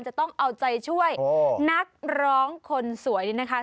จะต้องเอาใจช่วยนักร้องคนสวยนี่นะคะ